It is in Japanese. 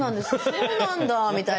そうなんだみたいな。